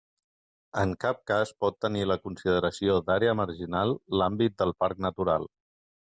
En cap cas pot tenir la consideració d'àrea marginal l'àmbit del parc natural.